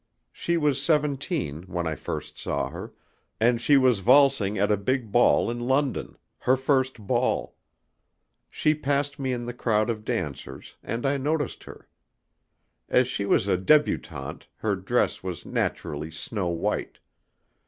She was seventeen when I first saw her, and she was valsing at a big ball in London her first ball. She passed me in the crowd of dancers, and I noticed her. As she was a debutante her dress was naturally snow white.